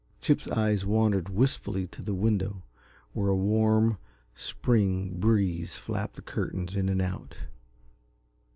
Chip's eyes wandered wistfully to the window, where a warm, spring breeze flapped the curtains in and out.